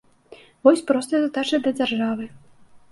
Вось простая задача для дзяржавы.